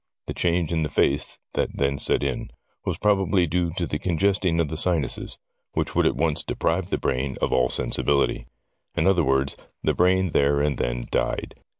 The change in the face that then set in was probably due to the congesting of the sinuses, which would at once deprive the brain of all sensibility. In other words, the brain there and then died.